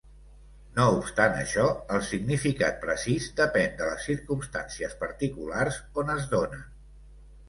No obstant això, el significat precís depèn de les circumstàncies particulars on es donen.